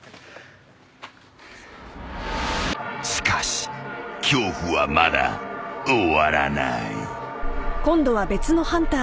［しかし恐怖はまだ終わらない］